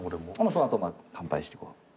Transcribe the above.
その後乾杯してこう。